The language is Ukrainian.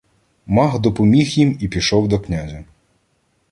Маг допоміг їм і пішов до князя.